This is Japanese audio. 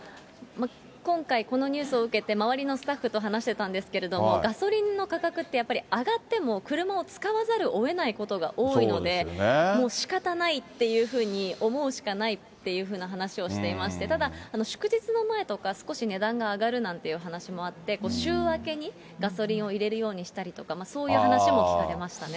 今回、このニュースを受けて、周りのスタッフと話してたんですけれども、ガソリンの価格ってやっぱり上がっても車を使わざるをえないことが多いので、もうしかたないっていうふうに思うしかないっていうふうに話をしていまして、ただ祝日の前とか、少し値段が上がるなんていう話もあって、週明けにガソリンを入れるようにしたりとか、そういう話も聞かれましたね。